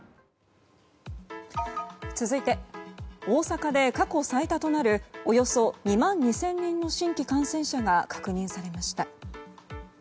続いて大阪で過去最多となるおよそ２万２０００人の新規感染者が確認されました。